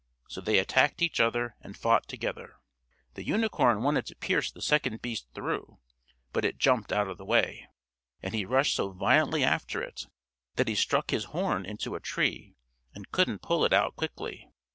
So they attacked each other and fought together. The unicorn wanted to pierce the second beast through; but it jumped out of the way, and he rushed so violently after it, that he struck his horn into a tree, and couldn't pull it out quickly.